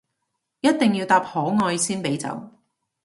一定要答可愛先俾走